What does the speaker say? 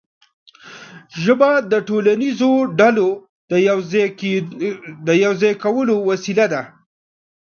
ژبه د ټولنیزو ډلو د یو ځای کولو وسیله ده.